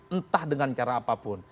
entah dengan cara apapun